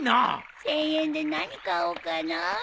１，０００円で何買おうかな。